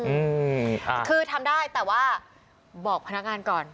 อืมอ่าคือทำได้แต่ว่าบอกพนักงานก่อน